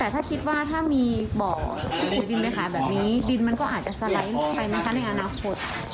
แต่ถ้าคิดว่าถ้ามีบ่อหลุดดินไหมคะแบบนี้